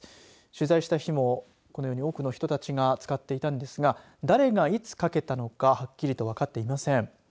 取材した日もこのように多くの人たちが使っていたんですが誰がいつ架けたかはっきり分かっていません。